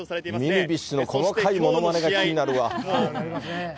ミニビッシュの細かいものまねが気になるわ。